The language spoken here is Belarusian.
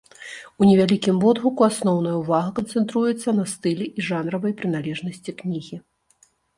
У невялікім водгуку асноўная ўвага канцэнтруецца на стылі і жанравай прыналежнасці кнігі.